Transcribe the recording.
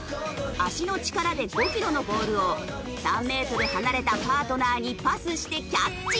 足の力で５キロのボールを３メートル離れたパートナーにパスしてキャッチ！